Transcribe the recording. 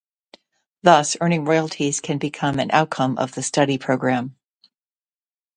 Thus, earning royalties can become an outcome of the study programme.